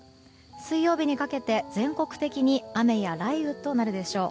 水曜日にかけて全国的に雨や雷雨となるでしょう。